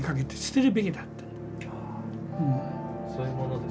そういうものですか？